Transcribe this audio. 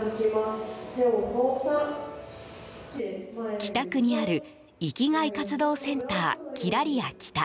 北区にあるいきがい活動センターきらりあ北。